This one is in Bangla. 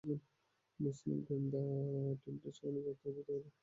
মুসলিম গোয়েন্দা টিমটি সেখানে যাত্রাবিরতি করে।